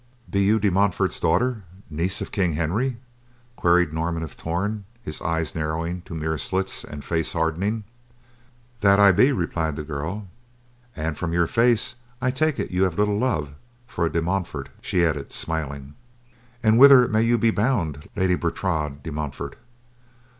"Be you De Montfort's daughter, niece of King Henry?" queried Norman of Torn, his eyes narrowing to mere slits and face hardening. "That I be," replied the girl, "an' from your face I take it you have little love for a De Montfort," she added, smiling. "An' whither may you be bound, Lady Bertrade de Montfort?